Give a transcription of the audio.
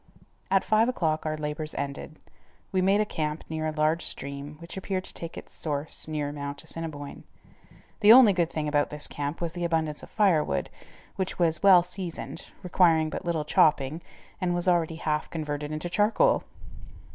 At five o'clock our labors ended. We made a camp near a large stream which appeared to take its source near Mount Assiniboine. The only good thing about this camp was the abundance of firewood, which was well seasoned, required but little chopping, and was already half converted into charcoal.